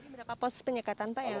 berapa pos penyekatan